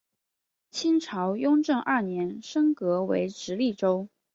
清朝雍正二年升格为直隶州。